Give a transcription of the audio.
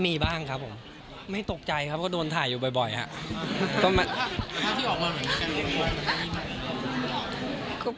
มีบ้างครับผมไม่ตกใจครับก็โดนถ่ายอยู่บ่อยครับ